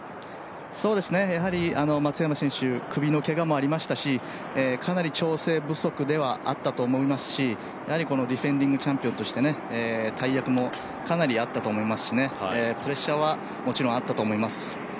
松山選手、首のけがもありましたし、かなり調整不足ではあったと思いますしやはりディフェンディングチャンピオンとして大役もかなりあったと思いますしプレッシャーはもちろんあったと思います。